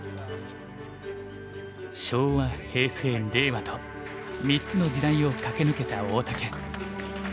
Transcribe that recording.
昭和平成令和と３つの時代を駆け抜けた大竹。